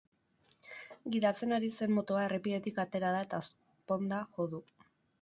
Gidatzen ari zen motoa errepidetik atera da eta ezponda jo du.